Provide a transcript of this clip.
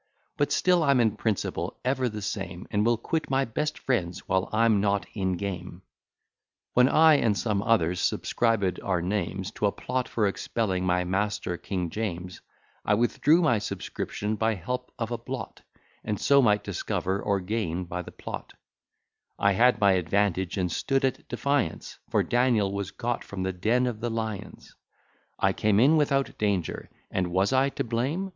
But still I'm in principle ever the same, And will quit my best friends, while I'm Not in game. When I and some others subscribed our names To a plot for expelling my master King James, I withdrew my subscription by help of a blot, And so might discover or gain by the plot: I had my advantage, and stood at defiance, For Daniel was got from the den of the lions: I came in without danger, and was I to blame?